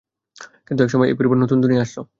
কিন্তু এক সময়, এই পরিবার নতুন দুনিয়ায় আসল।